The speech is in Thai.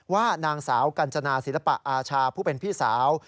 ว่านางสาวกัญจนาศิลปะอาชาผู้เป็นพี่สาว